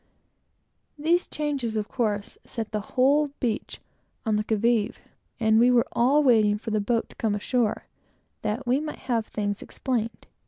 These changes, of course, set the whole beach on the qui vive, and we were all waiting for the boat to come ashore, that we might have things explained.